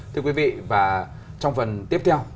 thưa quý vị và trong phần tiếp theo